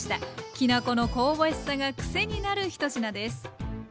きな粉の香ばしさがクセになる１品です。